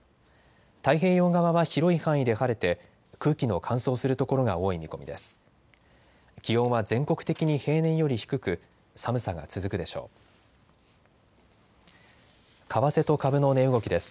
太平洋側は広い範囲で晴れて空気の乾燥する所が多い見込みです。